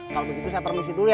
kalau begitu saya permisi dulu ya